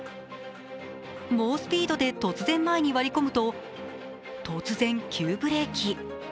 猛スピードで突然、前に割り込むと突然、急ブレーキ。